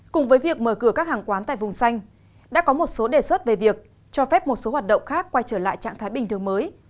cùng với việc mở cửa các hàng quán tại vùng xanh đã có một số đề xuất về việc cho phép một số hoạt động khác quay trở lại trạng thái bình thường mới